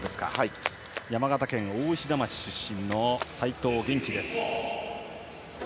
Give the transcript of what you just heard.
山形県大石田町出身の齋藤元希。